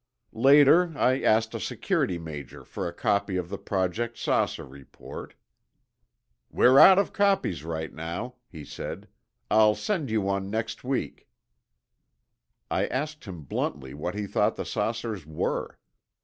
Later, I asked a security major for a copy of the Project "Saucer" report. "We're out of copies right now," he said. "I'll send you one next week." I asked him bluntly what he thought the saucers were.